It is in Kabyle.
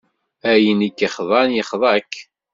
Ayen i k-yexḍan, yexḍa-k.